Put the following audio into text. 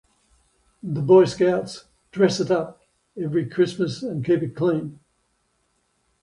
The Boy Scouts "dress it up" every Christmas and keep it clean.